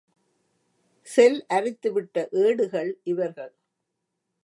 செல் அரித்துவிட்ட ஏடுகள் இவர்கள்.